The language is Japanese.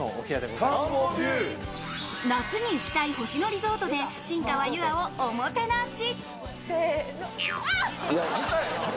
夏に行きたい星野リゾートで新川優愛をおもてなし。